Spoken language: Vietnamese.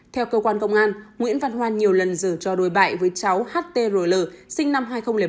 theo cơ quan công an nguyễn văn hoan nhiều lần dở trò đối bại với cháu ht rồi l sinh năm hai nghìn bảy